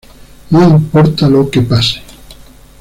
No importa lo que pase.